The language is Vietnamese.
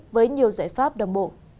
với nhiều giải pháp đồng bộ